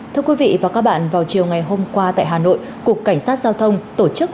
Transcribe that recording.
thưa quý vị và các bạn vào chiều ngày hôm qua tại hà nội cục cảnh sát giao thông tổ chức